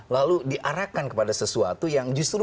lalu diarahkan kepada sesuatu yang justru